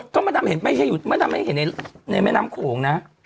ก็มันทำให้เห็นในแม่น้ำโขงนะ